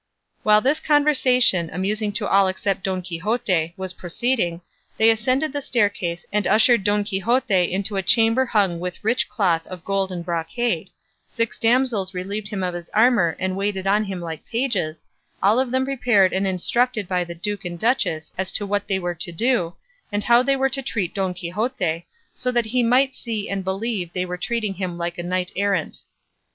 While this conversation, amusing to all except Don Quixote, was proceeding, they ascended the staircase and ushered Don Quixote into a chamber hung with rich cloth of gold and brocade; six damsels relieved him of his armour and waited on him like pages, all of them prepared and instructed by the duke and duchess as to what they were to do, and how they were to treat Don Quixote, so that he might see and believe they were treating him like a knight errant.